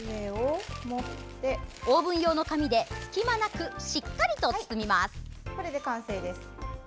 オーブン用の紙で隙間なく、しっかりと包みます。